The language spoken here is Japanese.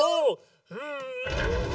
うん！